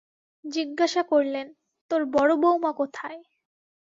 জিজ্ঞাসা করলেন, তোর বড়োবউমা কোথায়?